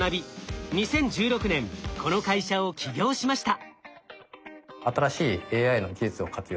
２０１６年この会社を起業しました。